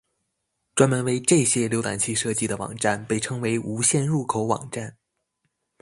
专门为这些浏览器设计的网站被称为无线入口网站。